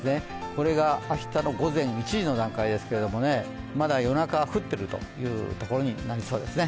これが明日の午前１時の段階ですけれどもまだ夜中降っているというところになりますね。